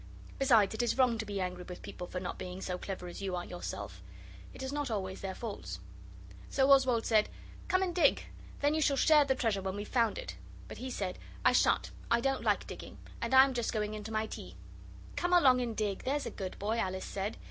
Besides, it is wrong to be angry with people for not being so clever as you are yourself. It is not always their faults. So Oswald said, 'Come and dig! Then you shall share the treasure when we've found it.' But he said, 'I shan't I don't like digging and I'm just going in to my tea.' 'Come along and dig, there's a good boy,' Alice said.